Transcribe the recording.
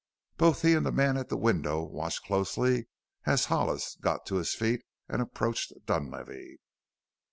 Both he and the man at the window watched closely as Hollis got to his feet and approached Dunlavey.